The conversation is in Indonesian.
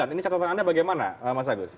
ini catatan anda bagaimana mas habib